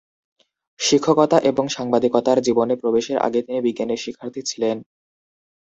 শিক্ষকতা এবং সাংবাদিকতার জীবনে প্রবেশের আগে তিনি বিজ্ঞানের শিক্ষার্থী ছিলেন।